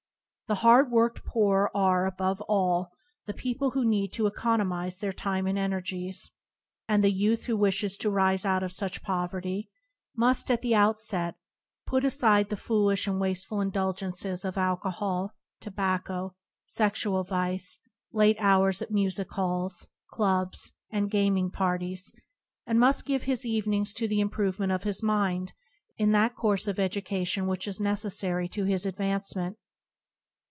The hard worked poor are, above all, the people who need to economize their time and energies; and the youth who wishes to rise out of such poverty must at the out set put aside the foolish and wasteful indul gences of alcohol, tobacco, sexual vice, late hours at music halls, clubs, and gaming par ties, and must give his evenings to the im provement of his mind in that course of education which is necessary to his advance ment.